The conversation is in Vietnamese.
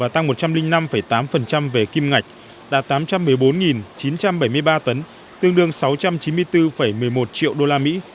tăng một trăm linh năm tám về kim ngạch đạt tám trăm một mươi bốn chín trăm bảy mươi ba tấn tương đương sáu trăm chín mươi bốn một mươi một triệu đô la mỹ